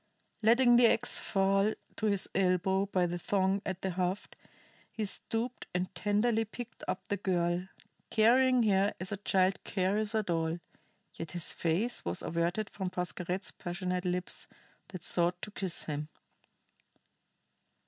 Letting the ax fall to his elbow by the thong at the haft, he stooped and tenderly picked up the girl, carrying her as a child carries a doll; yet his face was averted from Pascherette's passionate lips that sought to kiss him.